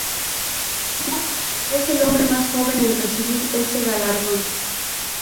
Musk es el hombre más joven en recibir este galardón.